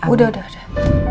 udah udah udah